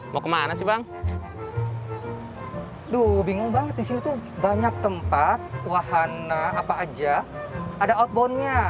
mau kemana sih bang duh bingung banget disini tuh banyak tempat wahana apa aja ada outboundnya